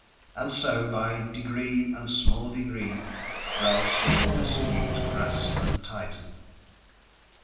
And so, by degree and small degree Gral saw the sinews grasp and tighten.